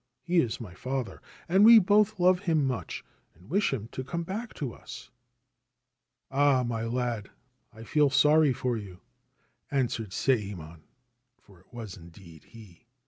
He is my father, and we both love him much, and wish him to come back to us !' c Ah, my lad, I feel sorry for you/ answered Sayemon (for it was indeed he).